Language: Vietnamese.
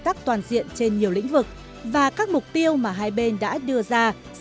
tác toàn diện trên nhiều lĩnh vực và các mục tiêu mà hai bên đã đối xử với nhau